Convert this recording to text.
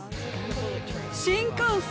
新幹線。